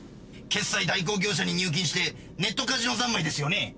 決済代行業者に入金してネットカジノ三昧ですよね？